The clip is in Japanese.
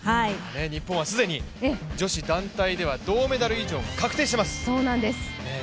日本は既に女子団体では銅メダル以上が確定しています。